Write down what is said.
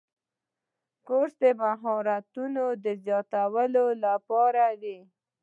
کورس د مهارتونو زیاتولو لپاره وي.